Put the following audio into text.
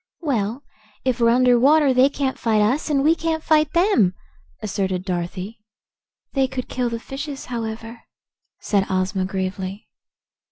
"Well, if we're under water, they can't fight us, and we can't fight them," asserted Dorothy. "They could kill the fishes, however," said Ozma gravely.